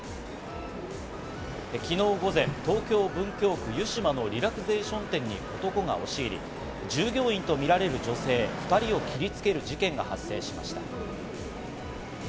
昨日午前、東京・文京区湯島のリラクセーション店に男が押し入り、従業員とみられる女性２人を切りつける事件が発生しました。